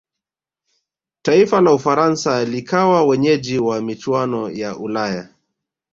taifa la ufaransa likawa wenyeji wa michuano ya ulaya